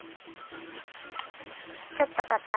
ちょっとかたい？